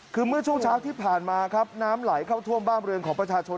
คือเมื่อช่วงเช้าที่ผ่านมาครับน้ำไหลเข้าท่วมบ้านเรือนของประชาชน